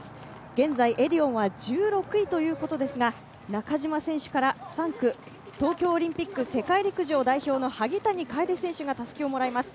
現在エディオンは１６位ということですが中島選手から３区、東京オリンピック世界陸上代表の萩谷楓が、たすきをもらいます。